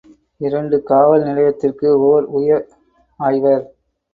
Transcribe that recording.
இரண்டு காவல் நிலையத்திற்கு ஒர் உயர் ஆய்வர்.